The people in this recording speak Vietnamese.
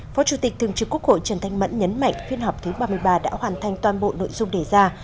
phó chủ tịch thường trực quốc hội trần thanh mẫn nhấn mạnh phiên họp thứ ba mươi ba đã hoàn thành toàn bộ nội dung đề ra